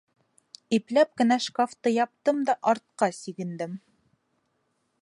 Ипләп кенә шкафты яптым да, артҡа сигендем.